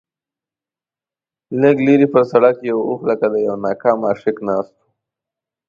لږ لرې پر سړک یو اوښ لکه د یوه ناکام عاشق ناست و.